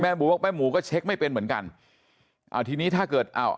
หมูบอกแม่หมูก็เช็คไม่เป็นเหมือนกันอ่าทีนี้ถ้าเกิดอ้าว